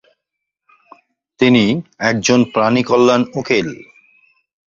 তিনি একজন প্রাণী কল্যাণ উকিল।